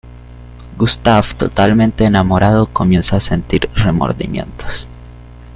Gustave, totalmente enamorado, comienza a sentir remordimientos.